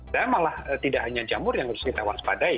dan malah tidak hanya jamur yang harus ditawan sepadai